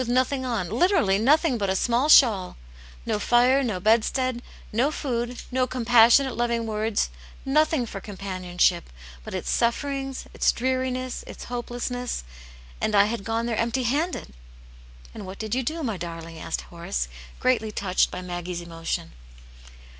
nothing on, literally nothing but a small shawl ; no fire, no bedstead, no food, no compassionate, loving words, nothing for companionship, but its sufferings, its dreariness, its hopelessness! And I had gone there empty handed !" "And what did you do, my darling?" asked Horace, greatly touched by Maggie's emotion.